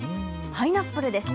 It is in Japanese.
パイナップルです。